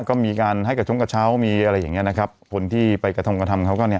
ก็มีการให้กระชงกระเช้ามีอะไรอย่างเงี้นะครับคนที่ไปกระทำกระทำเขาก็เนี่ย